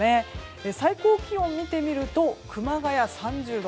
最高気温を見てみると熊谷、３０度。